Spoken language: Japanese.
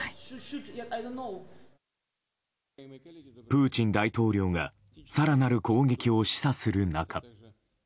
プーチン大統領が更なる攻撃を示唆する中。